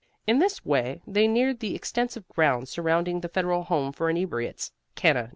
In this way they neared the extensive grounds surrounding the Federal Home for Inebriates, Cana, N.